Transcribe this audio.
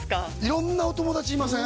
色んなお友達いません？